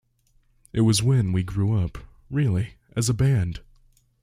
It was when we grew up, really, as a band.